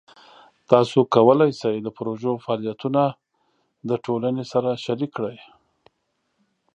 تاسو کولی شئ د پروژې فعالیتونه د ټولنې سره شریک کړئ.